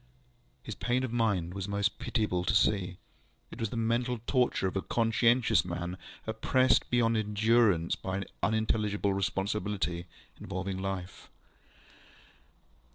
ŌĆØ His pain of mind was most pitiable to see. It was the mental torture of a conscientious man, oppressed beyond endurance by an unintelligible responsibility involving life.